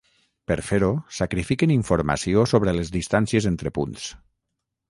Per fer-ho, sacrifiquen informació sobre les distàncies entre punts.